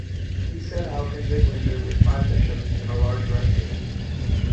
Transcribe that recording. He set out in mid-winter with five bishops and a large retinue.